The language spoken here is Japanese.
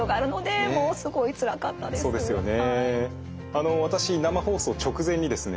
あの私生放送直前にですね